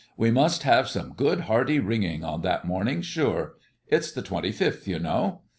We must have some good hearty ringing on that morning, sure; it's the twenty fifth, you know.